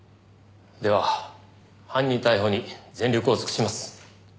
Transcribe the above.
では犯人逮捕に全力を尽くします。